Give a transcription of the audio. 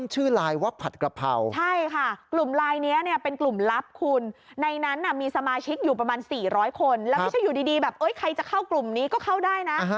เฮ้ยใครจะเข้ากลุ่มนี้ก็เข้าได้นะ